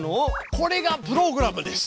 これがプログラムです！